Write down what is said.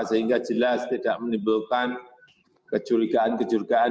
sehingga jelas tidak menimbulkan kejurigaan kejurigaan